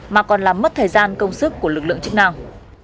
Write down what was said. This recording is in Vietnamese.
mà còn làm mất thời gian công sức của lực lượng chức năng